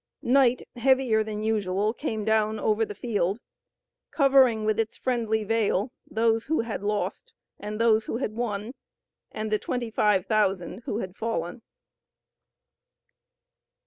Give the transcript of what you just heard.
Night heavier than usual came down over the field, covering with its friendly veil those who had lost and those who had won, and the twenty five thousand who had fallen.